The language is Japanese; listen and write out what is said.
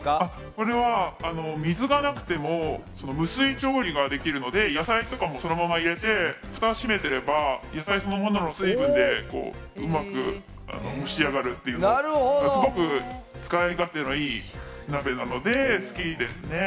これは水がなくても無水調理ができるので、野菜とかもそのまま入れて、蓋を閉めてれば、野菜そのものの水分でうまく蒸し上がるっていう、すごく使い勝手の良い鍋なので好きですね。